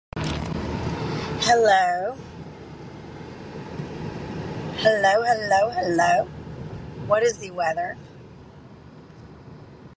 This is a highly difficult task, as the sword is immensely strong-minded.